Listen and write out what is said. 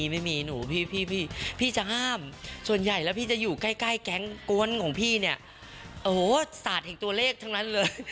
ไม่มีหนูพี่พี่จะห้ามส่วนใหญ่แล้วพี่จะอยู่ใกล้แก๊งกวนของพี่เนี่ยโอ้โหศาสตร์แห่งตัวเลขทั้งนั้นเลย